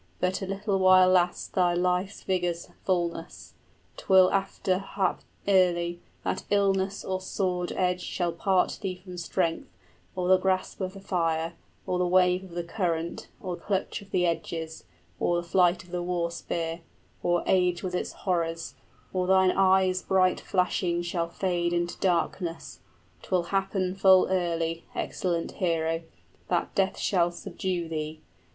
But a little while lasts thy life vigor's fulness; 'Twill after hap early, that illness or sword edge 20 Shall part thee from strength, or the grasp of the fire, Or the wave of the current, or clutch of the edges, Or flight of the war spear, or age with its horrors, Or thine eyes' bright flashing shall fade into darkness: 'Twill happen full early, excellent hero, {Hrothgar gives an account of his reign.} 25 That death shall subdue thee.